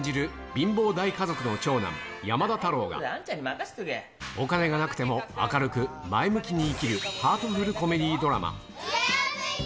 貧乏大家族の長男、山田太郎が、お金がなくても明るく前向きに生きるハートフルコメディードラマ。